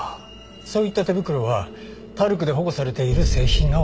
そういった手袋はタルクで保護されている製品が多い。